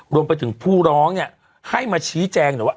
รวมไปถึงผู้ร้องเนี่ยให้มาชี้แจงหน่อยว่า